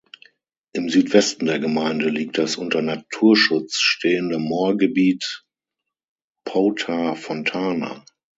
Im Südwesten der Gemeinde liegt das unter Naturschutz stehende Moorgebiet Pouta-Fontana.